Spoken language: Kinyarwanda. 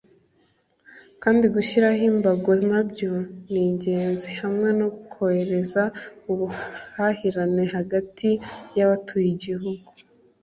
kandi gushyiraho imbago nabyo ni ingenzi hamwe no korohereza ubuhahirane hagati y’abatuye ibihugu